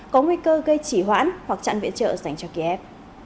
có nguy cơ gây chỉ hoãn hoặc chặn viện trợ dành cho kiev